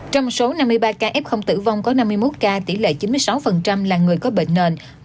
trong số năm mươi ba ca f tử vong có năm mươi một ca tỷ lệ chín mươi sáu là người có bệnh nền